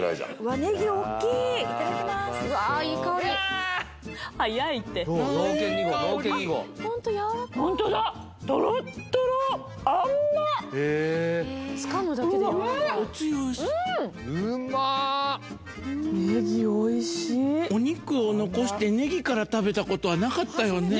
ねぎおいしいお肉を残してねぎから食べたことはなかったよねねえ